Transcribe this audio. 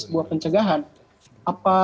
sebuah pencegahan apa